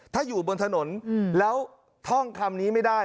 ถ้าอยู่บนถนนแล้วท่องคำนี้ไม่ได้